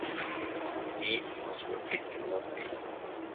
E impossibile" - "It cannot be!